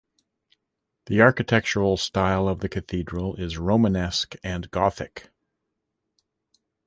The architectural style of the cathedral is Romanesque and Gothic.